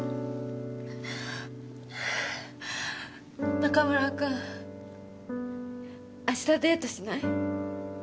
中村くん明日デートしない？